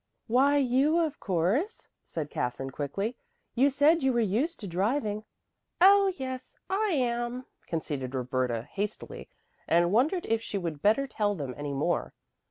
"Why, you, of course," said Katherine quickly. "You said you were used to driving." "Oh, yes, I am," conceded Roberta hastily and wondered if she would better tell them any more.